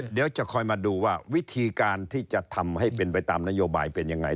เดี๋ยวจะคอยมาดูว่าวิธีการที่จะทำให้เป็นไปตามนโยบายเป็นยังไง